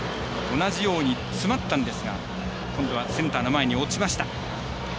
同じように詰まったんですが今度はセンターの前に落ちました。